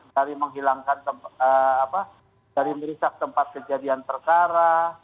dari menghilangkan apa dari merisak tempat kejadian tersara